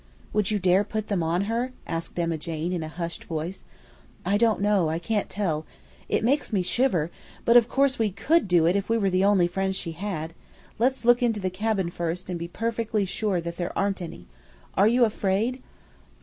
"Would you dare put them on to her?" asked Emma Jane, in a hushed voice. "I don't know; I can't tell; it makes me shiver, but, of course, we COULD do it if we were the only friends she had. Let's look into the cabin first and be perfectly sure that there aren't any. Are you afraid?"